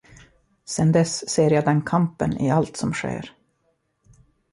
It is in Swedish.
Sen dess ser jag den kampen i allt som sker.